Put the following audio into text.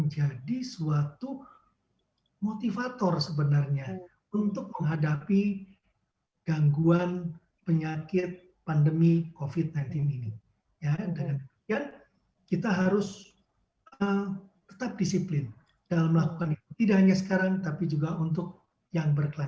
jangan happy saja